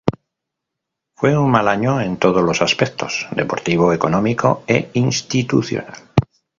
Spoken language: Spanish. Fue un mal año en todos los aspectos: deportivo, económico e institucional.